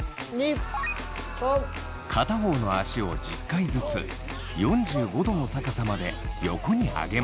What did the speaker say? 片方の足を１０回ずつ４５度の高さまで横に上げます。